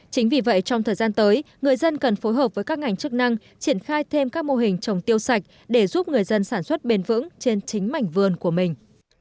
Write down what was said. chính vì vậy trong thời gian tới người dân cần phối hợp với các ngành chức năng triển khai thêm các mô hình trồng tiêu sạch để giúp người dân sản xuất bền vững trên chính mảnh vườn của mình